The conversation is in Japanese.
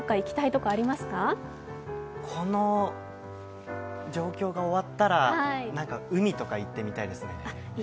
この状況が終わったら、海とか行ってみたいですね。